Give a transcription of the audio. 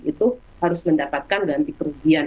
itu harus mendapatkan ganti kerugian